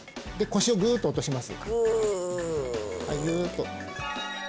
腰をグーッと落とします